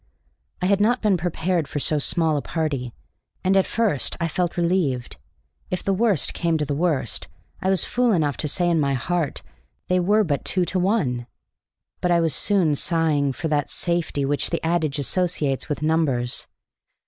I had not been prepared for so small a party, and at first I felt relieved. If the worst came to the worst, I was fool enough to say in my heart, they were but two to one. But I was soon sighing for that safety which the adage associates with numbers.